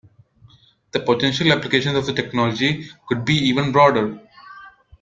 The potential applications of the technology could be even broader.